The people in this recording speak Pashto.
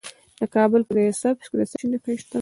د کابل په ده سبز کې د څه شي نښې دي؟